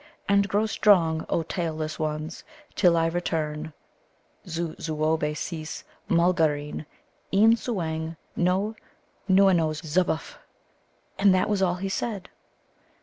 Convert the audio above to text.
And grow strong, O tailless ones, till I return. Zu zoubé seese muglareen, een suang no nouano zupbf!" And that was all he said.